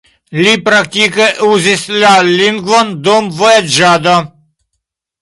Li praktike uzis la lingvon dum vojaĝado.